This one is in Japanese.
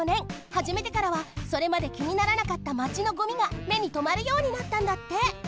はじめてからはそれまできにならなかったマチのごみがめにとまるようになったんだって。